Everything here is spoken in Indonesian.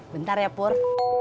bentar ya pur